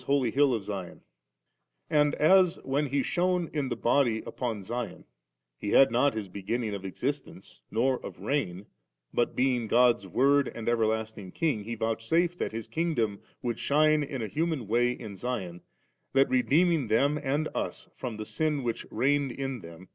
. BTa.^^ Digitized by Google DISCOURSE IL 377 holy hin of Sion V And bb, when He shone ^ in die body upon Sion, He had not His begin ning of existence or of reign, but being God's Word and everlasting King, He vouchsafed that His kingdom should shine in a human way in Sion, that redeeming them and us from the sin which reigned in them.